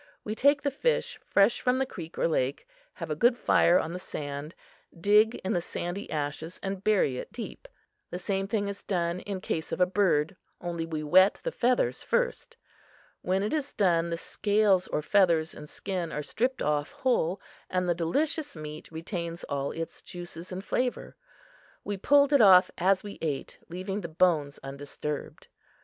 We take the fish fresh from the creek or lake, have a good fire on the sand, dig in the sandy ashes and bury it deep. The same thing is done in case of a bird, only we wet the feathers first. When it is done, the scales or feathers and skin are stripped off whole, and the delicious meat retains all its juices and flavor. We pulled it off as we ate, leaving the bones undisturbed.